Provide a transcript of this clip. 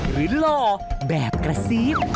หรือหล่อแบบกระซีบ